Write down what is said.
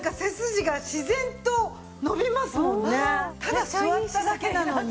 ただ座っただけなのに。